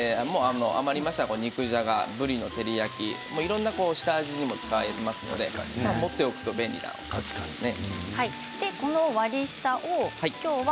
あまりましたら肉じゃが、ぶりの照り焼きいろいろな下味に使えますので持っておくと便利ですね。